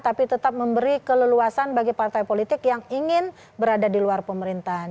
tapi tetap memberi keleluasan bagi partai politik yang ingin berada di luar pemerintahan